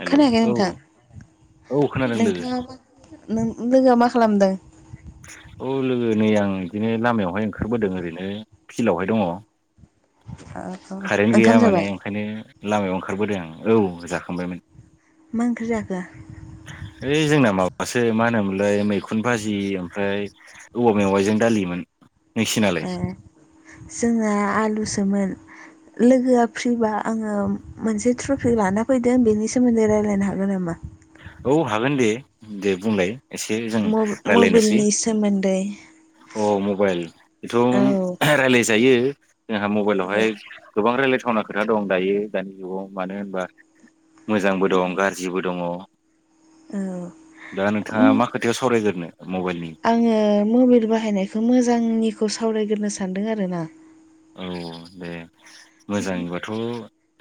Hello खोनायाखै औ नोंथां औ खोनादों लोगो नोंथाङा मा नों लोगोआ मा खालामदों औ लोगो नै आं इदिनो लामायावहाय ओंखारबोदों ओरैनो फिलआवहाय दङ [inaudible] खारेन ओंखाम गैया माने जाबाय ओंखायनो लामायाव ओंखारबोदों आं औ जाखांबायमोन मा ओंख्रि जाखो ऐ जोंना माबासो मा होनोमोनलै मैखुन भाजि ओमफ्राय औवा मेवाइजों दालिमोन नोंसिनालाय ए जोंना आलुसोमोन लोगोआ फ्रिबा आङो मोनसे ट्रफि लाना फैदों बेनि सोमोन्दै रायलायनो हागोन नामा औ हागोन दे दे बुंलाय एसे जों रायलायनोसै मबाइलनि सोमोन्दै अ मबाइल औ [unintelligible] जायो जोंहा मबाइलावहाय गोबां रायलाय थावना खोथा दं दायो दानि जुगाव मानो होनबा मोजांबो दं गाज्रिबो दङ औ दा नोंथाङा मा खोथायाव सावरायग्रोनो मबाइलनि आङो मोबिल बाहायनायखौ मोजांनिखौ सावरायग्रोनो सानदों आरो ना औ दे मोजाङैबाथ'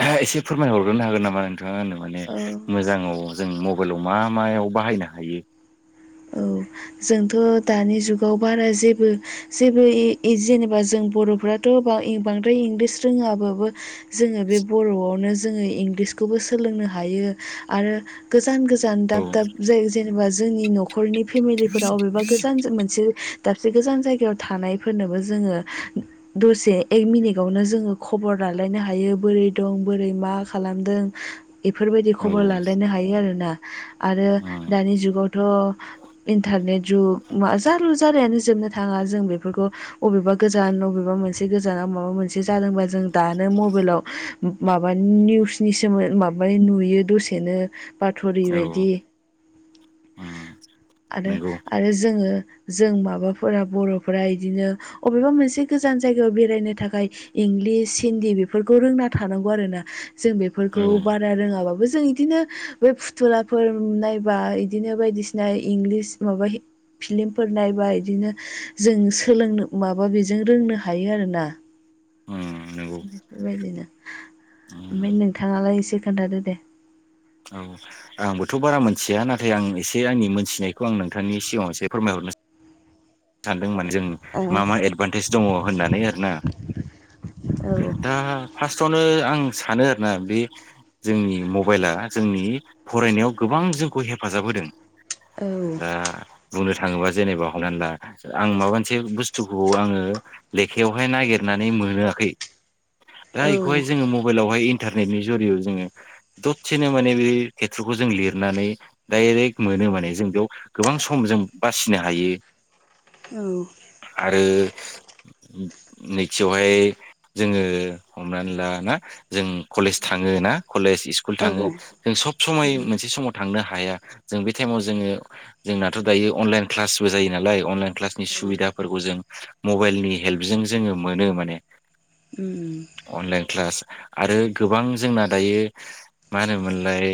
एसे फोरमायहरग्रोनो हागोन नामा नों थां आंनो माने औ मोजाङाव जों मबेलाव मा मायाव बाहायनो हायो औ जोंथ' दानि जुगाव बारा जेबो-जेबो ए जेनेबा जों बर'फ्राथ' बा बांद्राय इंलिस रोङाबाबो जोङो बे बर'आवनो जोङो इंलिसखौबो सोलोंनो हायो आरो गो जान गोजान औ दाब दाब जाय जेनेबा जोंनि न'खरनि फेमिलिफोराव अबेबा गोजानजों मोनसे दाबसे गोजान जायगायाव थानायफोरनोबो जोङो दसे एक मिनिटावनो जोङो खबर लालायनो हायो बोरै दं बोरै मा खालामदों एफोरबायदि खबर औ लालायनो हायो आरोना आरो उम दानि जुगावथ' इन्थारनेट जुग मा जालु जालायानो जोबनो थाङा जों बेफोरखौ अबेबा गोजानाव बबेबा मोनसे गोजानाव माबा मोनसे जादोंबा जों दानो मबेलाव माबानि निउसनि सोमो माबानि नुयो दसेनो औ पाथरिबेदि उम नंगौ आरो-आरो जोङो जों माबाफोरा बर'फोरा इदिनो अबेबा मोनसे गोजान जायगायाव बेरायनो थाखाय इंलिस हिन्दी बेफोरखौ रोंना थानांगौ आरो ना जों औ बेफोरखौ बारा रोङाबाबो जों इदिनो बे फुथुलाफोर नायबा बिदिनो बायदिसिना इंलिस नुवाबा हि फिलिमफोर नायबा इदिनो जों सोलोंनो माबा बेजों रोंनो हायो आरोना उम नंगौ बेबायदिनो ओमफ्राय उम नोंथाङालाय एसे खोन्थादो दे औ आंबोथ' बारा मोनथिया नाथाय आं एसे आंनि मोनथिनायखौ आं नोंथांनि सिगाङाव एसे फोरमायहर [inaudible] थानदोंमोन जों ओ मा मा एदभान्टेज दङ होननानै ओरोना औ दा फास सावनो आं सानो आरोना बे जोंनि मबाइला जोंनि फरायनायाव गोबां जोंखौ हेफाजाब होदों दा बुंनो थाङोबा जेनेबा हमनानै ला आं माबा मोनसे बुस्थुखौ आङो लेखायावहाय नागिरनानै मोनोआखै दा औ इखौहाय जोङो मबाइलावहाय इन टारनेटनि जरियाव जोङो दथसेनो माने बे खेथ्र'खौ जों लिरनानै डाइरेक्ट मोन नो माने जों बेयाव गोबां सम जों बासिनो हायो। औ। आरो उम नैथिआवहाय जोङो हमनानै ला ना जों कलेज थाङो ना कलेज इस्कुल औ थाङो जों सब समाय मोनसे समाव थांनो हा हाया जों बे टाइमाव जोङो जोंनाथ' दायो अनलाइन क्लासबो जायो नालाय अनलाइन क्लासनि औ सुबिदाफोरखौ जों मबाइलनि हेल्पजों जोङो मोनो माने उम । अनलाइन क्लास आरो गोबां जोंना दायो मा होनोमोनलाय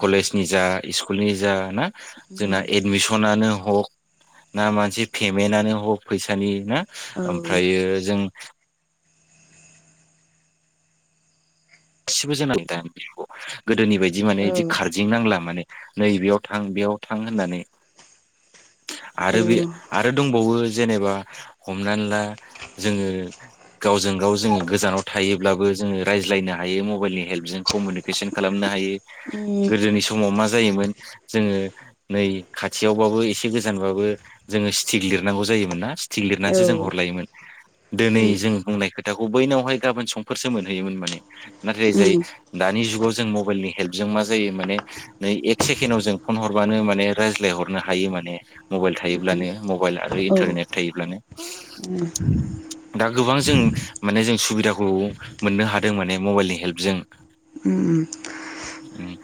कलेजनि जा इस्कुल नि जा ना उम जोंना एदमिसनानो हक ना मोनसे पेमेन्टानो हक फैसानि ना औ आमफ्रायो जों गासिबो [inaudible] गोदोनि बायदि माने औ इदि खारदिं नांला माने । नै बेेयाव थां बेयाव थां होननानै औ आरो बे जोंखौ आरो दंबावो जेनेबा हमनानै ला जोङो गावजों गाव जों गोजानाव थायोब्लाबो जोङो रायज्लायना हायो मबाइलनि हेल्पजों कमिउनिकेसन खालामनो हायो गोदोनि समाव मा जायोमोन जोङो नै खाथियावबाबो एसे गोजानबाबो जोङो स्टिक लिरनांगौ जायोमोन ना थिग लिरनानैसो जों हरलायोमोन दोनै जों बुंनाय खो थाखौ बैनावहाय गाबोन संफोरसो मोनहयोमोन माने नाथाय जाय दानि जुगाव जों मबाइलनि हेल्पजों मा जायो माने नै एक सेकेणडाव जों फन हरबानो माने रायज्लाय हरनो हायो माने । मबाइल थायोब्लानो मबाइल आरो इन्टारनेट थायोब्लानो । दा गोबां जों माने जों सुबिदाखौ मोननो हादों माने मबाइलनि हेल्पजों । उम्म उम्म । उम्म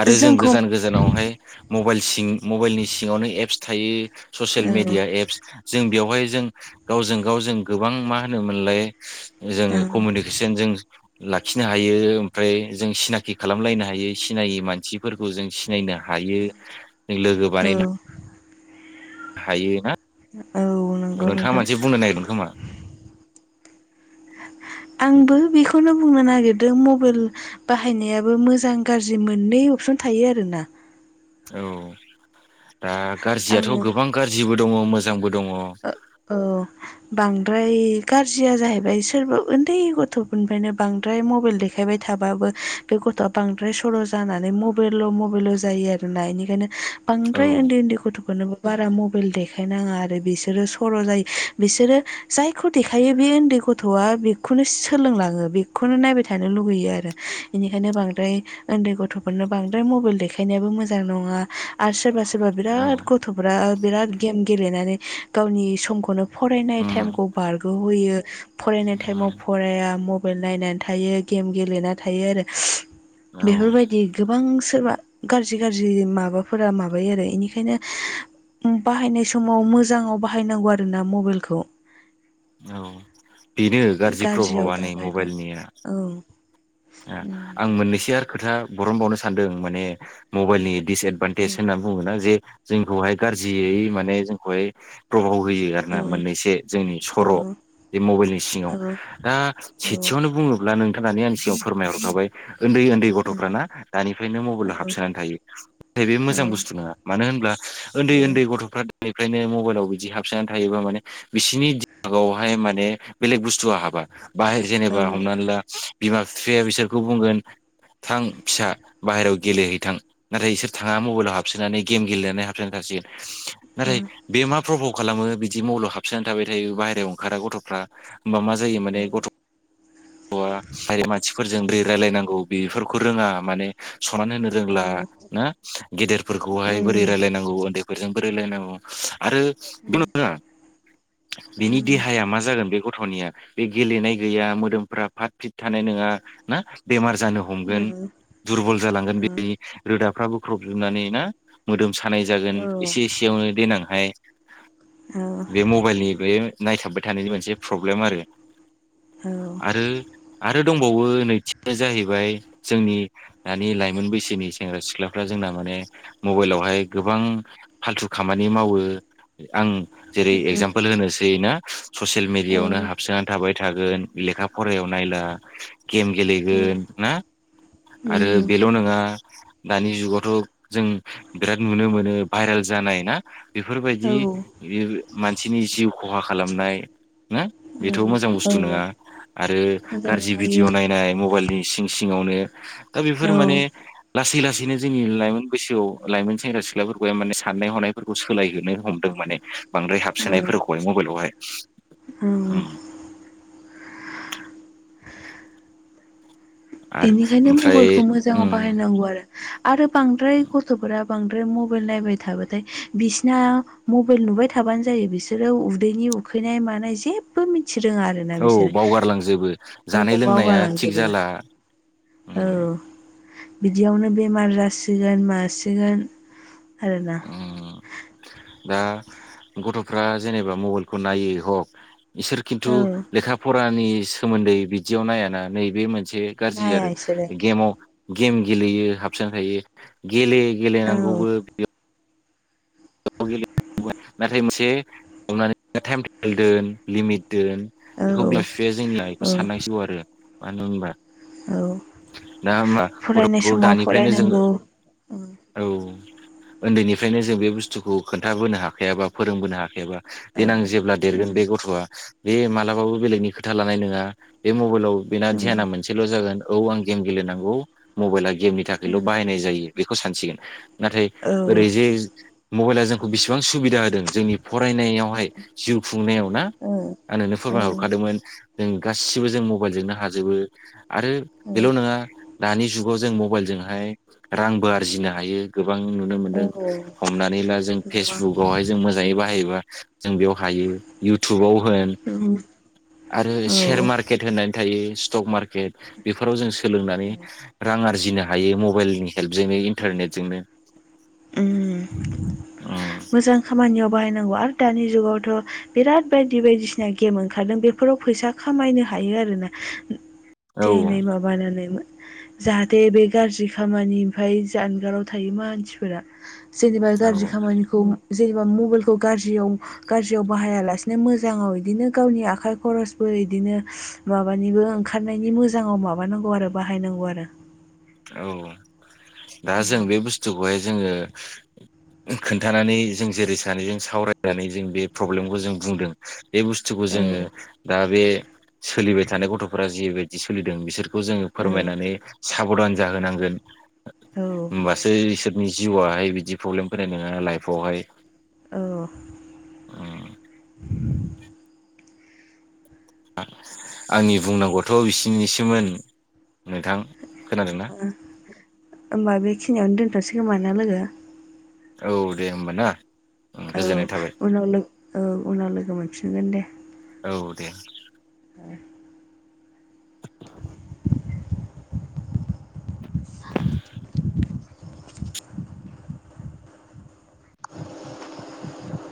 आरो जों गोजान गोजानावहाय मबाइल सिं मबाइलनि सिङावनो एप्स थायो औ ससियेल मेडिया एप्स जों बेवहाय जों गावजों गाव जों गोबां मा होनोमोनलाय औ जोङो कमिउनिकेसन जों लाखिनो हायो । आमफ्राय जों सिनाखि खालामलायनो हायो सिनायै मानसिफोरखौ जों सिनायनो हायो, [inaudible] लोगो बानायनो हायो ना, औ नंगौ नोंथाङा नोंथां मोनसे बुंनो नागिरदों खोमा? आंबो बेखौनो बुंनो नागिरदों मबाइल बाहायनायाबो मोजां गारजि मोननै अपसन थायो आरोना । औ दा गारजियाथ' आङो गोबां गारजिबो दङ मोजांबो दङ । औ । बांद्राय गाज्रिया जाहैबाय सोरबा ओन्दै गथ'फोरनिफ्रायनो बांद्राय मबाइल देखायबाय थाबा बो बे गथ'आ बांद्राय सर' जानानै मबेलल' मबेलल' जायो आरोना इनिखायनो औ बांद्राय ओन्दै ओन्दै गथ'फोरनोबो बारा मबाइल देखायनाङा आरो बिसोरो सर' जायो बिसोरो जायखौ देखायो बे ओन्दै गथ'आ बेखौनो सोलोंलाङो बेखौ खौनो नायबाय थानो लुुबैयो आरो इनिखायनो बांद्राय ओन्दै गथ'फोरनो बांद्राय मबाइल देखायनायाबो मोजां नङा । आरो सोरबा सोरबा बिराद गथ'फ्रा बिराद गेम गेलेनानै गावनि समखौनो फरायनाय उम टाइमखौ बारग'होयो फरायनाय टाइमाव उम फराया मब बाइल नायनानै थायो गेम गेलेनानै थायो आरो औ बेफोरबायदि गोबां सोरबा गारजि गारजि माबाफोरा माबायो आरो इनिखायनो उम्म बाहायनाय समाव मोजाङाव बाहायनांगौ आरोना मबाइलखौ । औ बेनो गारजि गाज्रियाव प्रभाबानो दाबायना मबाइलनिया‌ औ आ आं मोननैसो आर खोथा बरनबावनो सानदों माने मबाइलनि दिसएदभान्टेज होनना बुङोना जे जोंखौहाय गारजियै माने जोंखौहाय प्रभाव बोयो आरोना औ मोननैसे जोंनि औ सर' । बे मबाइलनि सिंङाव औ दा सेथिंङावनो बुंङोब्ला नोंथां आनो आंनि सिगांङाव फोरमायहरखाबाय ओन्दै ओन्दै गथ'फ्राना दानिफायनो मबाइलाव हाबसोनानै थायो नाथाय बे औ मोजां बुस्थु नोंङा मानो होनब्ला ओन्दै ओन्दै गथ'फ्रा निफ्रायनो मबाइलाव इदि हाबसोनानै थायोबा माने बिसिनि दिमागावहाय माने बेलेग बुस्थुआ हाबा । बाहाय औ जेनेबा हमनान ला बिमा बिफाया बिसोरखौ बुंगोन। थां फिसा बाहेरायाव गेलेहैथां नाथाय इसोर थांङा मबाइलाव हाबसोनानै गेम गेलेनानै हाबसोनानै थासिगोन। हा नाथाय बे मा प्रबुख। खालामो बिदि मलाव हाबसोनान थाबाय थायो बाहेरायाव ओंखारा गथ'फ्रा ओमबा मा जायो औ माने गथ'। ब आ फाइ मानसिफोरजों बेरायलायनांगौ बेफोरखौ रोंङा माने। सनमान होनो रोंला औ ना गेदेरफोरखौहाय बोरै उम रायलायनांगौ ओन्दै। फोरजों बोरै लायनांगौ आरो बिमा आ। बिनि उम देहाया मा जागोन बेखौ। थनिया बे गेलेनाय गैया मोदोमफ्रा फ्राथ फ्रिथ थानाय नोंङा ना बेमार। जानो हमगोन दुरबल जालांगोन बेनि रोदाफ्रा बोख्रबजोबनानै ना। मोदोम सानाय जागोन औ एसे एसेयावनो देनांहाय औ बे मबाइलनि बैयो। नायथाबबाय थानायनि मोनसे प्रब्लेम आरो आरो आरो दं। बावो नैथिया जाहैबाय जोंनि दानि लाइमोन बैसोनि सेंग्रा सिख्लाफ्रा जोंना माने। मबाइलावहाय गोबां फालथु खामानि मावो आं। जेरै एगजामपोल होनोसै ना ससेल मिडिया आवनो बेनिखायनो हाबसोनान थाबाय थागोन लेखा फरायाव नायला। गेम गेलेगोन ना आरो बेल नोंङा। दानि जुगावथ जों बेराद नुनो मोनो भाइराल जानाय ना। बिफोरबायदि इउ मानसिनि जिउआव। खहा खालामनाय ना बेथ मोजां बुस्थु नोंङा आरो गारजि बि। बिदिय नायनाय मबाइल नि सिं सिंङावनो दा बिफोर माने लासै लासै। बिदिनो जोंनि लाइमोन बैसोआव लाइमोन सेंग्रा सिख्ला फोरखौहाय माने साननाय हनायफोरखौ सोलायहोनो हमदों माने। बांद्राय हाबसोनाय फोरखौहाय मबाइलावहाय। औ। उम आरो बेनिखायनो ओमफ्राय मबाइलखौ मोजांङाव उम बाहायनांगौ आरो आरो बांद्राय गथ'फोरा। बांद्राय मबाइल नायबाय थाबाथाय बिसिना मबाइल नुबाय थाबान जायो बिसोरो उदैनि। उखैनाय मानाय जेबबो मि। थि रोंङा आरोना औ बिसोरो बावगारलांजोबो जानाय औ लोंनाया थिग बावगालांजोबो। जाला औ उम बिदियावनो बेमार जासिगोन मासिगोन। आरोना। उम दा गथ'फ्रा जेनेबा मबाइलखौ नायै हक। इसोर खिन्थु औ लेखा फरानि सोमोन्दै बिदियाव नायाना नैबे मोन। से गारजि नाया आरो इसोरो गेमाव गेम गेलेयो हाबसोना थायो। गेले गेलेनांगौबो। नाथाय मोनसे टाइमटेबोल दोन लिमिट। दोन औ बेखौ बिमा औ बिफाया जोंनिया एखौ औ साननांसिगौ आरो मानो होनबा। औ दा होमबा फरायनाय गथ'फोरखौ समाव दानिफायनो जोंङो फरायनांगौ औ। ओन्दैनिफायनो जों बे बुस्थुखौ खोनथाबोनो हाखायाबा फोरोंबोनो हाखायाबा। औ देनां जेब्ला देरगोन बे गथ'आ बे मालाबाबो बेलेगनि खोथा लानाय नोंङा बे मबाइलाव। बेना ध्याना मोनसेल जागोन औ आं गेम गेलेनांगौ मबाइला गेमनि थाखायल बाहायनाय जायो। बेखौ सानसिगोन नाथाय औ ओरै जे। मबाइला जोंखौ बिसिबां सुबिदा होदों जोंनि फरायनायावहाय जिउ खु। खुंनायाव ना आं नोंनो औ फोरमाय हरखादोंमोन जों गासिबो जों मबाइलजोंनो हाजोबो। आरो बेल नोंङा दानि जुगाव जों मबाइलजोंहाय रांबो आरजिनो हायो गो। गोबां नुनो मोनदों औ हमनानै ला जों गोबां फेसबुक आवहाय जों मोजांङै बाहाय। योबा जों बेयाव हायो इउटुबाव। आरो सेर औ मारकेट होननाय थायो स्टक मार्केट बेफोराव जों सोलोंनानै रां आरजिनो हायो मबाइलनि हेल्प जों इन्टारनेटजों नो उम मोजां खामानियाव बाहायनांगौ आरो दानि जुगावथ' बिराद बायदि बायदि सिना गेम ओंखारदों बेफोराव फैसा खामायनो हा हायो आरोना औ थे एनै माबानानै जाहाथे बे गाज्रि खामानि निफ्राय जानगाराव थायो मानसिफोरा सोरनिबा औ गाज्रि खामानिखौ जैबा मबाइलखौ गाज्रियाव गाज्रियाव बाहाया लासेनो मोजाङाव इदिनो गावनि आखाय खरस फोर इदिनो माबानिबो ओंखारनायनि मोजाङाव माबानांगौ आरो बाहायनांगौ आरो औ दा जों बे बुस्थुखौहाय जोङो खोन्थानानै जों जेरै सानैजों सावरायनानै जों बे प्रब्लेमखौ जों बुंदों बे बुस्थुखौ औ औ जोङो दा बे सोलिबाय थानाय गथ'फोरा जिबायदि सोलिदों बिसोरखौ जोङो फोरमायनानै साबधान जाहोनांगोन औ होमबासो इसोरनि जिवावहाय बिदि प्रब्लेम फैनाय नङा लाइफावहाय औ आंनि बुंनांगौआथ' बिसिनिसोमोन नोंथां खोनादोंना ओ होमबा बेखिनियावनो दोनथ'सै खोमा ना लोगो औ दे होमबा ना औ गोजोननाय थाबाय उनाव लो औ उनाव लोगो मोनफिनगोन दे औ दे [unintelligible]